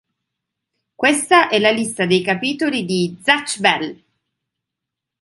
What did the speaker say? Questa è la lista dei capitoli di "Zatch Bell!